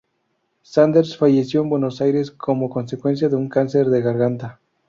Sanders falleció en Buenos Aires, como consecuencia de un cáncer de garganta.